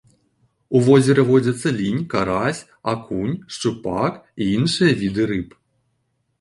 У возеры водзяцца лінь, карась, акунь, шчупак і іншыя віды рыб.